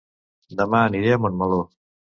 Dema aniré a Montmeló